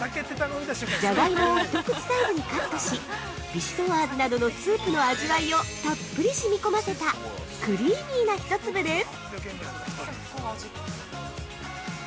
じゃがいもをひとくちサイズにカットし、ヴィシソワーズなどのスープの味わいをたっぷり染み込ませたクリーミーな一粒です！